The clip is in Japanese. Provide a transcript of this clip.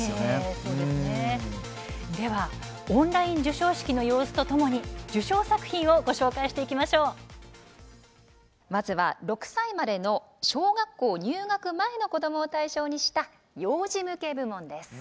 では、オンライン授賞式の様子とともに、受賞作品をまずは６歳までの小学校入学前の子どもを対象にした幼児向け部門です。